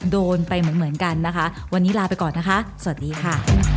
โดนไปเหมือนกันนะคะวันนี้ลาไปก่อนนะคะสวัสดีค่ะ